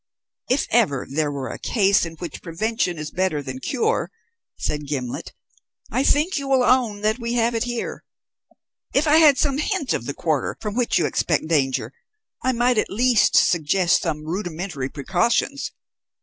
"If ever there were a case in which prevention is better than cure," said Gimblet, "I think you will own that we have it here. If I had some hint of the quarter from which you expect danger, I might at least suggest some rudimentary precautions.